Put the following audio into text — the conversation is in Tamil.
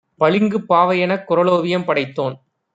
பளிங்குப் பாவையெனக் 'குறளோவியம்' படைத்தோன்